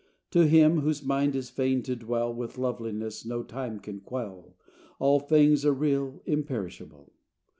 To him, whose mind is fain to dwell With loveliness no time can quell, All things are real, imperishable.